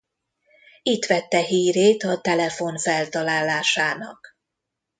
Itt vette hírét a telefon feltalálásának.